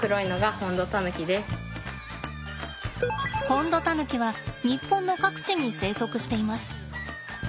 ホンドタヌキは日本の各地に生息しています。